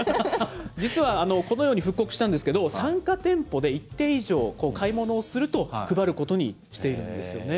実はこのように復刻したんですけど、参加店舗で一定以上買い物をすると、配ることにしているんですよ